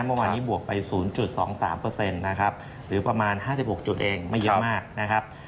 เมื่อวานนี้บวกไป๐๒๓นะครับหรือประมาณ๕๖จุดเองไม่เยอะมากนะครับ